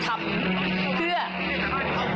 ชัดกว่าที่เคยผ่านมาค่ะ